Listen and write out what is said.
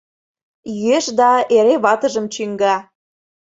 Йӱэш да, эре ватыжым чӱҥга.